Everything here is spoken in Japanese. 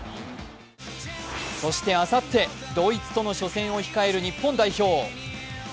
そして、あさってドイツとの初戦を控える日本代表。